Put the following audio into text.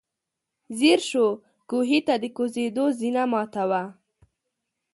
ځير شو، کوهي ته د کوزېدو زينه ماته وه.